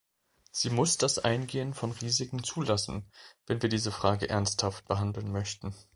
Sie muss das Eingehen von Risiken zulassen, wenn wir diese Fragen ernsthaft behandeln möchten.